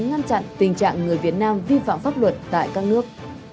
ngăn chặn tình trạng người việt nam vi phạm pháp luật tại các nước